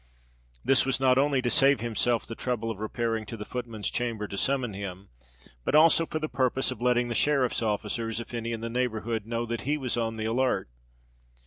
This was not only to save himself the trouble of repairing to the footman's chamber to summon him, but also for the purpose of letting the sheriff's officers, if any were in the neighbourhood, know that he was on the alert.